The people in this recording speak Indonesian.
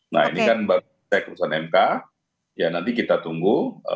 nah ini kan baru kita keputusan mk ya nanti kita tunggu